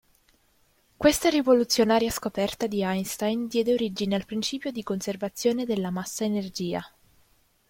Questa rivoluzionaria scoperta di Einstein diede origine al principio di conservazione della massa-energia.